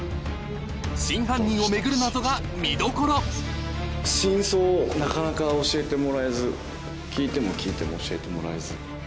真犯人を巡る謎が見どころ真相をなかなか教えてもらえず聞いても聞いても教えてもらえず。